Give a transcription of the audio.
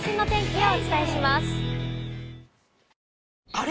あれ？